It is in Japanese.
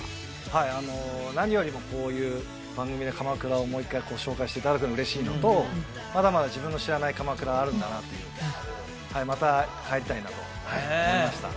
はい何よりもこういう番組で鎌倉をもう一回紹介していただくの嬉しいのとまだまだ自分の知らない鎌倉あるんだなというはいまた帰りたいなと思いました